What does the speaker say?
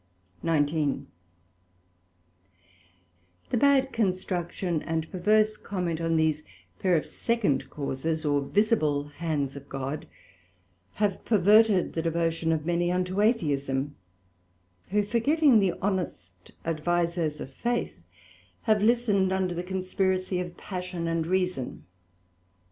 SECT.19 The bad construction, and perverse comment on these pair of second Causes, or visible hands of God, have perverted the Devotion of many unto Atheism; who, forgetting the honest Advisoes of Faith, have listened unto the conspiracy of Passion and Reason.